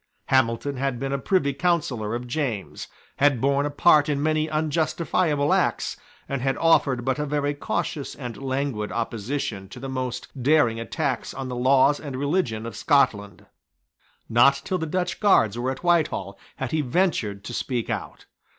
Hamilton had been a Privy Councillor of James, had borne a part in many unjustifiable acts, and had offered but a very cautious and languid opposition to the most daring attacks on the laws and religion of Scotland. Not till the Dutch guards were at Whitehall had he ventured to speak out.